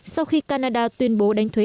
sau khi canada tuyên bố đánh thuế